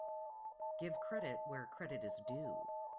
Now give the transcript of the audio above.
Give credit where credit is due.